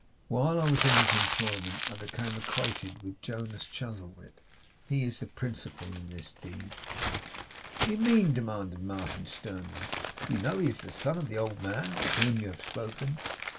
While I was in his employment I became acquainted with Jonas Chuzzlewit. He is the principal in this deed.' 'What do you mean?' demanded Martin, sternly. 'Do you know he is the son of the old man of whom you have spoken?